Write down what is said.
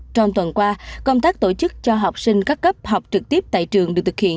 trong tuần qua công tác tổ chức cho học sinh các cấp học trực tiếp tại trường được thực hiện